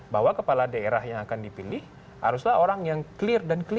bahwa kepala daerah yang akan dipilih haruslah orang yang clear dan clean dari kasus hukum